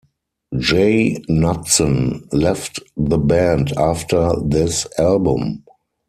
J. Knutson left the band after this album.